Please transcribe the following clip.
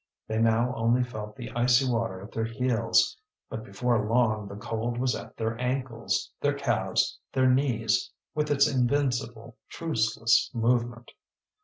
They now only felt the icy water at their heels; but before long the cold was at their ankles, their calves, their knees, with its invincible, truceless movement.